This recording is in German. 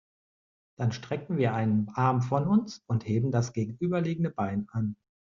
Dann strecken wir einen Arm von uns und heben das gegenüberliegende Bein an.